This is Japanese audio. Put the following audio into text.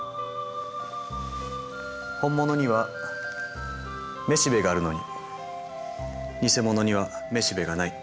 ホンモノにはめしべがあるのにニセモノにはめしべがない。